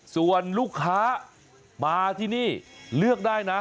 ส่วนลูกค้ามาที่นี่เลือกได้นะ